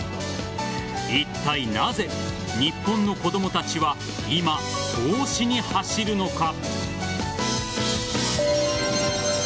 いったいなぜ、日本の子供たちは今、投資に走るのか。